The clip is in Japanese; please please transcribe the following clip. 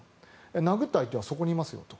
殴った相手はそこにいますよと。